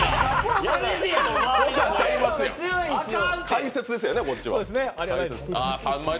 解説ですよね、こっちは。